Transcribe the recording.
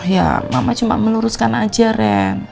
ya mama cuma meluruskan aja rem